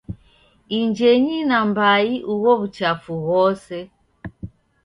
Injenyi na mbai ugho w'uchafu ghose.